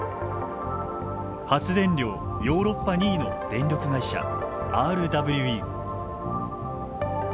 発電量ヨーロッパ２位の電力会社ＲＷＥ。